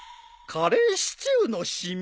カレーシチューの染み？